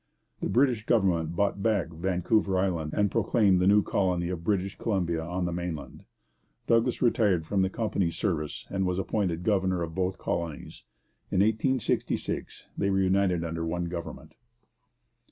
The British government bought back Vancouver Island, and proclaimed the new colony of British Columbia on the mainland. Douglas retired from the company's service and was appointed governor of both colonies. In 1866 they were united under one government.